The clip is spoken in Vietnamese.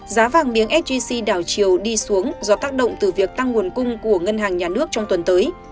giá vàng miếng s g g đảo chiều đi xuống do tác động từ việc tăng nguồn cung của ngân hàng nhà nước trong tuần tới